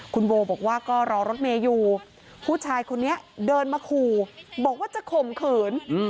คุณโบบอกว่าก็รอรถเมย์อยู่ผู้ชายคนนี้เดินมาขู่บอกว่าจะข่มขืน